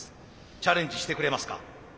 チャレンジしてくれますか？